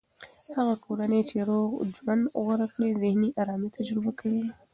هره کورنۍ چې روغ ژوند غوره کړي، ذهني ارامي تجربه کوي.